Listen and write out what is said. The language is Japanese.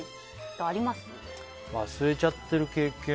忘れちゃってる経験？